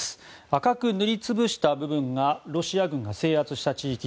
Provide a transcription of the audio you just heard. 赤く塗り潰した部分がロシア軍が制圧した地域。